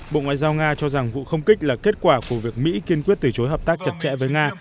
bộ ngoại giao nga cho rằng vụ không kích là kết quả của việc mỹ kiên quyết từ chối hợp tác chặt chẽ với nga